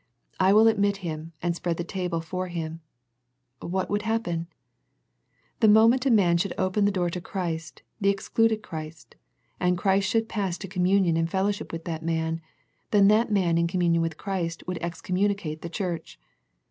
I will admit Him, and spread the table for Him," what would happen ? The moment a man should open the door to Christ, the excluded Christ, and Christ should pass to communion and fellowship with that man, then that man in communion with Christ would excommunicate the church.